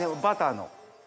バターの。